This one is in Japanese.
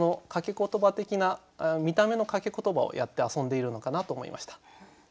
ことば的な見た目の掛けことばをやって遊んでいるのかなと思いました。